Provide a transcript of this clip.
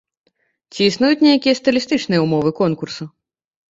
Ці існуюць нейкія стылістычныя ўмовы конкурсу?